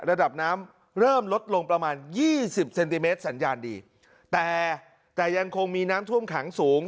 ระดับน้ำเริ่มลดลงประมาณยี่สิบเซนติเมตรสัญญาณดีแต่แต่ยังคงมีน้ำท่วมขังสูง